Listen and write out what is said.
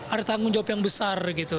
ada tanggung jawab yang besar gitu